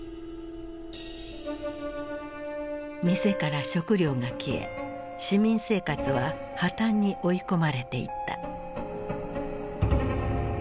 店から食料が消え市民生活は破綻に追い込まれていった。